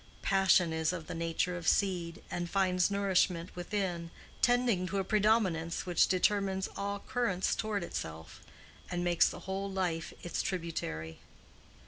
Passion is of the nature of seed, and finds nourishment within, tending to a predominance which determines all currents toward itself, and makes the whole life its tributary.